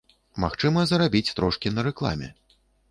Магчыма, зарабіць трошкі на рэкламе.